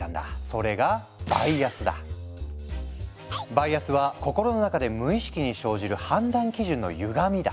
それがバイアスは心の中で無意識に生じる判断基準のゆがみだ。